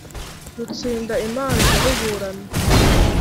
Rutsinda imanza ruburana